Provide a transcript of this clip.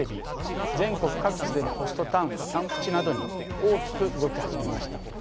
全国各地でのホストタウンキャンプ地などに大きく動き始めました。